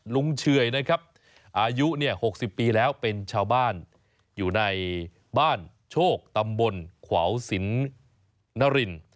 เฉื่อยนะครับอายุ๖๐ปีแล้วเป็นชาวบ้านอยู่ในบ้านโชคตำบลขวาวสินนริน